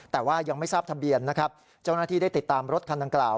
แต่ว่ายังไม่ทราบทะเบียนนะครับเจ้าหน้าที่ได้ติดตามรถคันดังกล่าว